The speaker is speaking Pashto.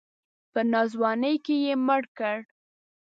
په ناځواني کې یې مړ کړ.